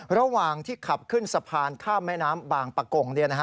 ระหว่างที่ขับขึ้นสะพานข้ามแม่น้ำบางปะกง